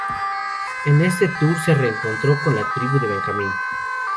En este tour se reencontró con La Tribu de Benjamín.